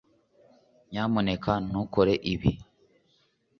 nyamuneka ntukore ibi